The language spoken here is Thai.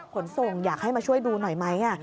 ขนส่งอยากให้มาช่วยดูหน่อยไหม